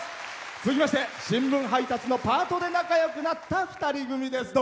続きまして新聞配達のパートで仲よくなった２人組です。